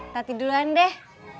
tati duluan deh